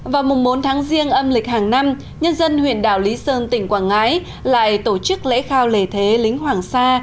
vào mùng bốn tháng riêng âm lịch hàng năm nhân dân huyện đảo lý sơn tỉnh quảng ngãi lại tổ chức lễ khao lễ thế lính hoàng sa